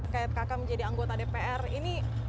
kkp menjadi anggota dpr ini